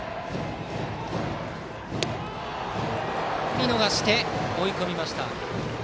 見逃して、追い込みました。